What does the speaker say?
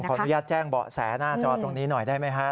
อนุญาตแจ้งเบาะแสหน้าจอตรงนี้หน่อยได้ไหมฮะ